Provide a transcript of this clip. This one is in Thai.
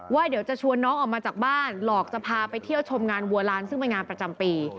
เดี๋ยวจะชวนน้องออกมาจากบ้านหลอกจะพาไปเที่ยวชมงานวัวลานซึ่งเป็นงานประจำปี